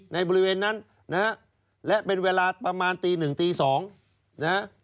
บริเวณนั้นนะฮะและเป็นเวลาประมาณตีหนึ่งตีสองนะฮะ